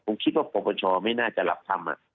ผมคิดว่าปรปชไม่น่าจะหลับทำ